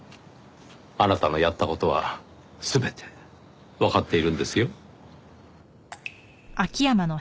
あなたのやった事は全てわかっているんですよ。